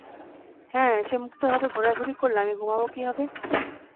হ্যাঁ, সে মুক্তভাবে ঘোরাঘুরি করলে আমি ঘুমাবো কীভাবে?